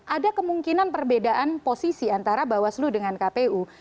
ada kemungkinan perbedaan posisi antara bawaslu dengan kpu